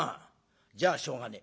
じゃあしょうがねえ。